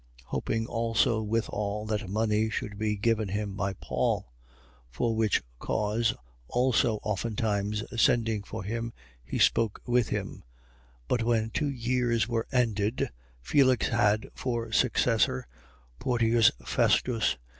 24:26. Hoping also withal that money should be given him by Paul: for which cause also oftentimes sending for him, he spoke with him. 24:27. But when two years were ended, Felix had for successor Portius Festus.